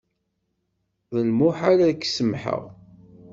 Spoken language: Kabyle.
D lmuḥal ad ak-samḥeɣ.